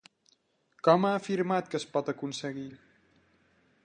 Com ha afirmat que es pot aconseguir?